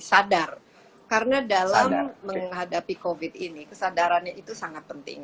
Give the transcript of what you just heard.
sadar karena dalam menghadapi covid ini kesadarannya itu sangat penting